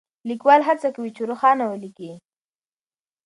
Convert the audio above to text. ليکوال هڅه کوي چې روښانه وليکي.